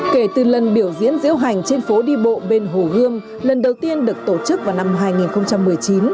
kể từ lần biểu diễn diễu hành trên phố đi bộ bên hồ gươm lần đầu tiên được tổ chức vào năm hai nghìn một mươi chín